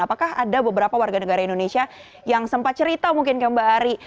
apakah ada beberapa warga negara indonesia yang sempat cerita mungkin ke mbak ari